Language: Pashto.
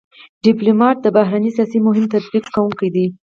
ډيپلومات د بهرني سیاست مهم تطبیق کوونکی دی.